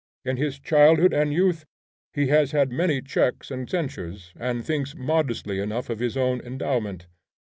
In his childhood and youth he has had many checks and censures, and thinks modestly enough of his own endowment.